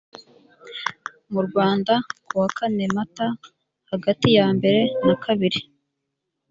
mu rwanda kuwa kane mata hagati yambere na kabiri